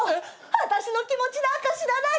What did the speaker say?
私の気持ちなんか知らないくせに！